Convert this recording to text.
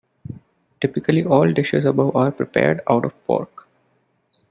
Typically all dishes above are prepared out of pork.